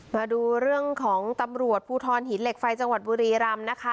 มาดูเรื่องของตำรวจภูทรหินเหล็กไฟจังหวัดบุรีรำนะคะ